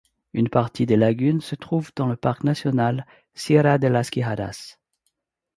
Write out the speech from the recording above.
Une partie des lagunes se trouve dans le Parc national Sierra de las Quijadas.